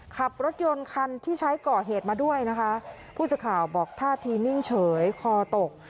ขับรถยนต์คันที่ใช้ก่อเหตุมาด้วยนะคะผู้สื่อข่าวบอกท่าทีนิ่งเฉยคอตก